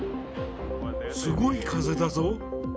すごい風だぞ。